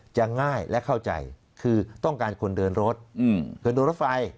จะง่ายและเข้าใจคือต้องการคนเดินรถอืม